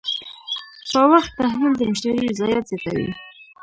په وخت تحویل د مشتری رضایت زیاتوي.